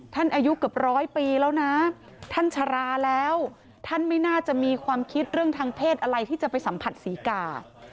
อายุเกือบร้อยปีแล้วนะท่านชราแล้วท่านไม่น่าจะมีความคิดเรื่องทางเพศอะไรที่จะไปสัมผัสศรีกา